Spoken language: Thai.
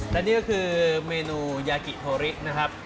และนี่ก็คือเมนูยากิโทริสนะครับ